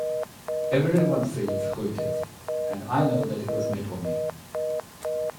Everyone sees who it is, and I know that it was made for me.